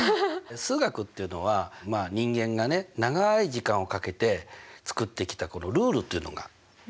数学っていうのは人間がね長い時間をかけて作ってきたこのルールというのがあるわけです。